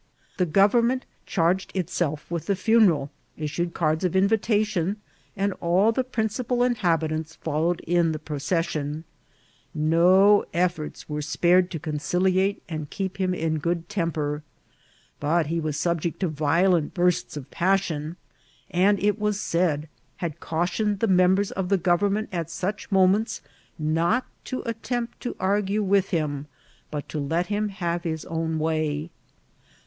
The government char ged itself with the faneral, issued cards of invitation, and all the principal inhabitants followed in the pro % cessicHi. No efforts were spared to ocmeiliate and keep him in good temper ; but he was subject to violent bursts of passion, and, it was said, had cautioned the members of the government at such mom^dts not to attempt to argue with him, but to let him have his own INTBKTIBW WITH CAKEBRA. MT way.